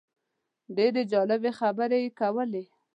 ډېرې جالبې خبرې یې کولې.